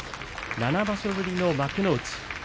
７場所ぶりの幕内。